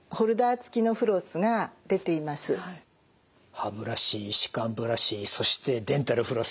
歯ブラシ歯間ブラシそしてデンタルフロス。